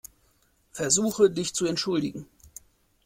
Versuche, dich zu entschuldigen.